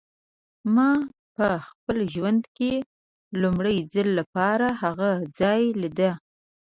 ما په خپل ژوند کې د لومړي ځل لپاره هغه ځای لیده.